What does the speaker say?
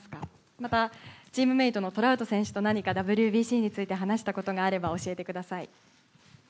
またチームメートのトラウト選手と何かＷＢＣについて話したことがあれば教えてください。